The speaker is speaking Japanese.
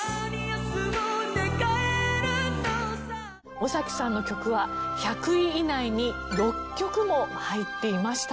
尾崎さんの曲は１００位以内に６曲も入っていました。